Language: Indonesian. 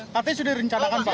tapi sudah direncanakan pak